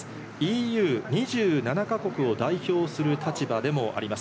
ＥＵ２７か国を代表する立場でもあります。